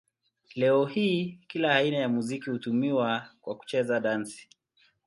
Leo hii kila aina ya muziki hutumiwa kwa kucheza dansi.